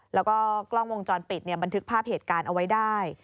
แล้วก็กล้องวงจรปิดบันทึกภาพเหตุการณ์เอาไว้ได้